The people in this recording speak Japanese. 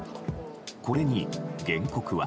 これに原告は。